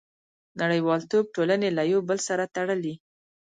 • نړیوالتوب ټولنې له یو بل سره تړلي.